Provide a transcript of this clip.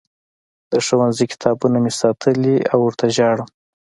د ښوونځي کتابونه مې ساتلي او ورته ژاړم